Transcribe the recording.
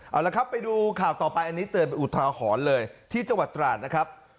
เอาละครับไปดูข่าวต่อไปอันนี้เตือนไปอุทาหรณ์เลยที่จังหวัดตราดนะครับ